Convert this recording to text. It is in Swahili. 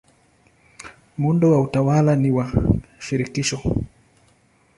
Muundo wa utawala ni wa shirikisho.